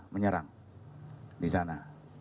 menyerang di sana